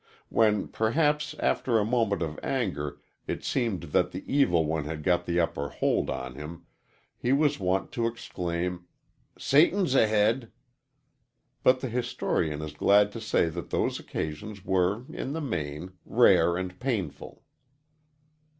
When, perhaps, after a moment of anger it seemed that the Evil One had got the upper hold on him, he was wont to exclaim, "Satan's ahead!" But the historian is glad to say that those occasions were, in the main, rare and painful.